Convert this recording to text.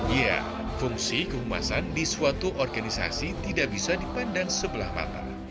ya fungsi kehumasan di suatu organisasi tidak bisa dipandang sebelah mata